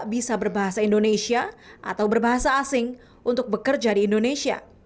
bisa berbahasa indonesia atau berbahasa asing untuk bekerja di indonesia